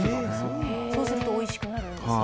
そうするとおいしくなるんですね。